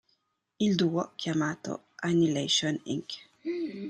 Il duo, chiamato "Annihilation Inc.